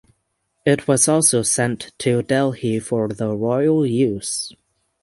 It was also sent to Delhi for the Royal use.